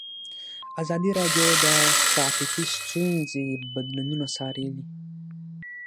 ازادي راډیو د ټرافیکي ستونزې بدلونونه څارلي.